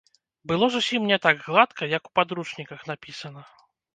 Было зусім не так гладка, як у падручніках напісана.